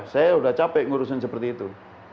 saya sudah capek ngurusin seperti itu